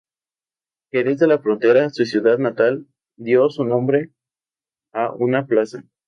Jerez de la Frontera, su ciudad natal, dio su nombre a una plaza.